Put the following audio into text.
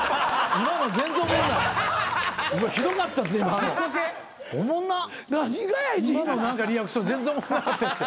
今のリアクション全然おもんなかったですよ。